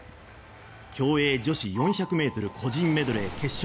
競泳女子４００ｍ個人メドレー決勝。